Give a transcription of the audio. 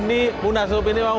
thank you pak deddy